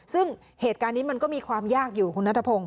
ซึ่งเหตุการณ์นี้มันก็มีความยากอยู่คุณนัทพงศ